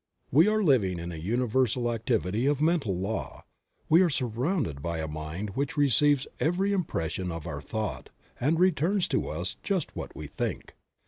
We are living in a Universal activity of mental law, we are surrounded by a Mind which receives every impression of our thought and returns to us just what we think.